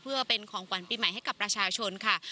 เพื่อเป็นของกวัลปริมาศให้กับประชาชนครับ